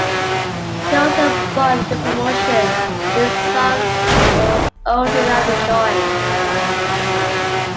He also bought into the promotion, when his sons were old enough to join.